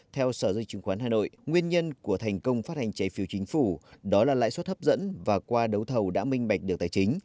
theo sở dây chứng khoán hà nội nguyên nhân của thành công phát hành trái phiếu chính phủ đó là lãi suất hấp dẫn và qua đấu thầu đã minh bạch được tài chính